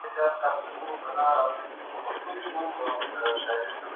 که د بشري حقوقو درناوی وسي، سوله به راسي.